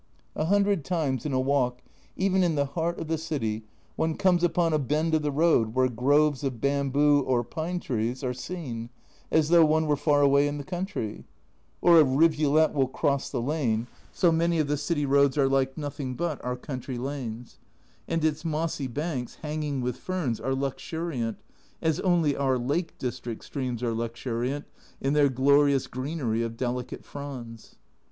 A hundred times in a walk, even in the heart of the city, one comes upon a bend of the road where groves of bamboo or pine trees are seen, as though one were far away in the country ; or a rivulet will cross the lane (so many of the city roads are like nothing but our country lanes), and its mossy banks hanging with ferns are luxuriant, as only our Lake District streams are luxuriant, in their glorious greenery of delicate fronds.